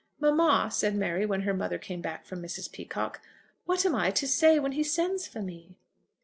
"Mamma," said Mary, when her mother came back from Mrs. Peacocke, "what am I to say when he sends for me?"